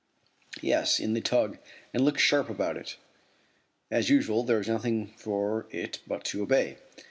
"Yes, in the tug, and look sharp about it." As usual there is nothing for it but to obey.